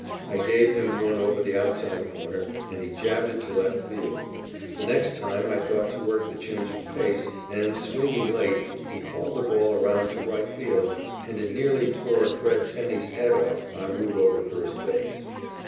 I gave him one over the outside corner, and he jabbed it to left field. The next time, I thought to work the change of pace, and, swinging late, he hauled the ball around to right field, and it nearly tore Fred Tenny's head off en route over first base.